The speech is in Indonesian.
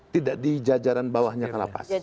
tidak di jajaran bawahnya kalapas